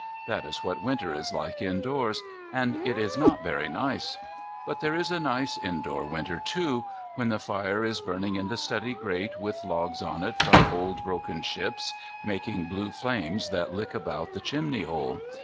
That is what Winter is like indoors, and it is not very nice. But there is a nice indoor Winter too, when the fire is burning in the study grate with logs on it from old broken ships, making blue flames that lick about the chimney hole.